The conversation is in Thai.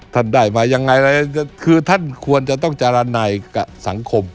ท่านได้หมายยังไงคือท่านควรจะต้องจารันไหนกับสังคม